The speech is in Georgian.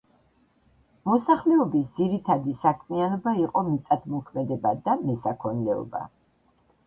მოსახლეობის ძირითადი საქმიანობა იყო მიწათმოქმედება და მესაქონლეობა.